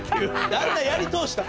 旦那やり通した。